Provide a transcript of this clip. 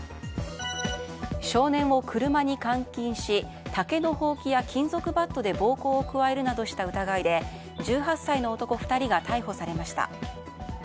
少年を車に監禁し竹のほうきや金属バットで暴行を加えるなどした疑いで１８歳の男２人が逮捕されました。